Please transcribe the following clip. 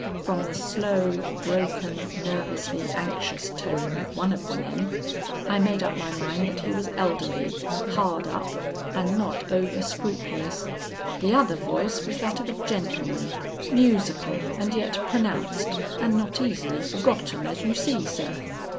From the slow, broken, nervously anxious tone of one of the men, I made up my mind that he was elderly, hard up, and not over scrupulous; the other voice was that of a gentleman, musical and yet pronounced, and not easily forgotten, as you see, sir.